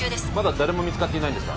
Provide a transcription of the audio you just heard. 誰も見つかっていないんですか？